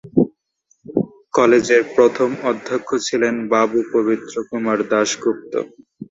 কলেজের প্রথম অধ্যক্ষ ছিলেন বাবু পবিত্র কুমার দাস গুপ্ত।